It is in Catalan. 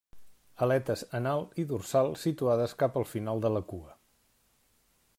Aletes anal i dorsal situades cap al final de la cua.